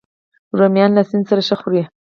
رومیان له سیند سره ښه خوري